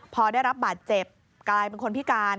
พอได้รับบาดเจ็บกลายเป็นคนพิการ